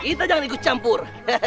kita jangan ikut campur